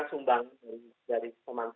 untuk membuat keputusan ini jadi lebih baik